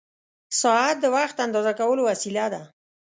ساعت د وخت اندازه کولو وسیله ده.